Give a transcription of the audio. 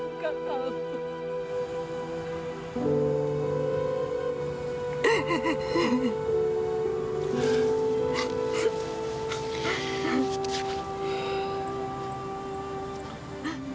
mama nggak mau ya